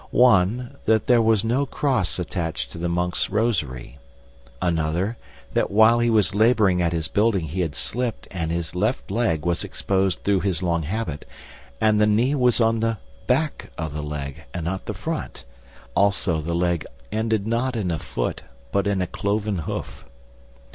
One, that there was no cross attached to the monk's rosary; another, that while he was labouring at his building he had slipped, and his left leg was exposed through his long habit, and the knee was on the back of the leg, and not the front; also the leg ended not in a foot, but in a cloven hoof.